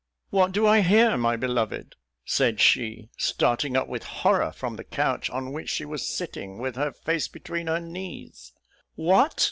"What do I hear, my beloved?" said she (starting up with horror from the couch on which she was sitting, with her face between her knees), "what!